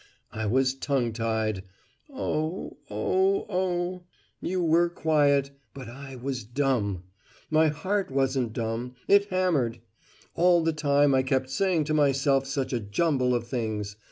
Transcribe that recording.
I was tongue tied! Oh, oh, oh! You were quiet but I was dumb! My heart wasn't dumb it hammered! All the time I kept saying to myself such a jumble of things.